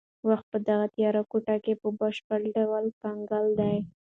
وخت په دغه تیاره کوټه کې په بشپړ ډول کنګل دی.